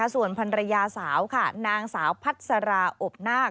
ส่วนพันรยาสาวค่ะนางสาวพัสราอบนาค